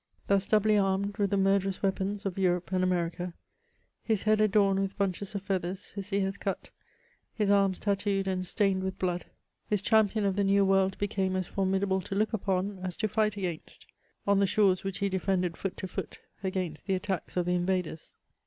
Thus doubly armed with the murderous weapons of Europe and America, — his head adorned with bunches of feathers, his ears cut, his arms tatooed and stained with blood, this champion of the New World became as formidable to look upon as to fight against, on the shores which he defended foot to foot against the attacks of the invaders.